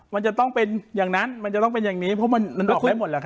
มันจะต้องเป็นอย่างนั้นมันจะต้องเป็นอย่างนี้เพราะมันออกไปหมดแล้วครับ